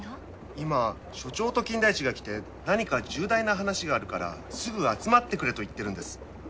今署長と金田一が来て何か重大な話があるからすぐ集まってくれと言ってるんです。